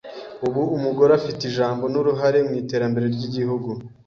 Ubu umugore afife ijambo n’uruhare mu iterambere ry’Igihugu